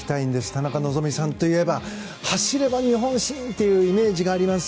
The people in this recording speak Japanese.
田中希実さんといえば走れば日本新というイメージがあります。